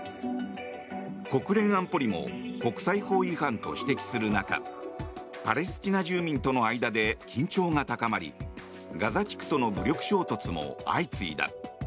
国連安保理も国際法違反と指摘する中パレスチナ住民との間で緊張が高まりガザ地区との武力衝突も相次いだ。